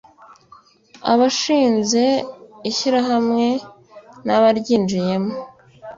abashinze ishyirahamwe n abaryinjiyemo